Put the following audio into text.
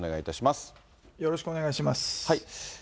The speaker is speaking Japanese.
よろしくお願いします。